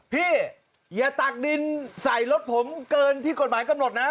พี่อย่าตักดินใส่รถผมเกินที่กฎหมายกำหนดนะ